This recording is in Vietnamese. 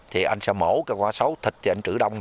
thì anh sẽ mổ cái cá sấu thịt thì anh trữ đông